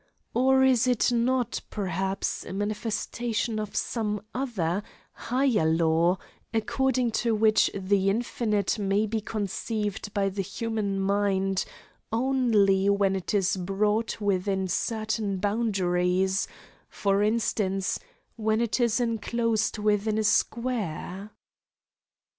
Or is it not, perhaps, a manifestation of some other, higher law, according to which the infinite may be conceived by the human mind only when it is brought within certain boundaries, for instance, when it is enclosed within a square?"